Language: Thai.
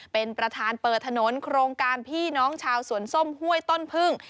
เป็นประธานเปิดถนนโครงการพี่น้องชาวสวนส้มห้วยต้นพึ่ง